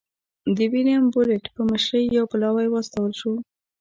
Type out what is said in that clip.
د ویلیم بولېټ په مشرۍ یو پلاوی واستول شو.